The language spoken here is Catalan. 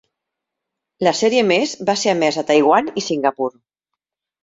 La sèrie més va ser emesa a Taiwan i Singapur.